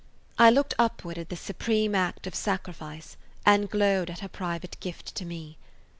I looked upward at this supreme act of sacrifice and glowed at her private gift to me.